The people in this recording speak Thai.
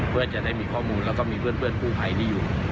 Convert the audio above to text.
เพื่อจะได้มีข้อมูลแล้วก็มีเพื่อนกู้ภัยที่อยู่